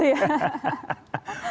bukan itu masalahnya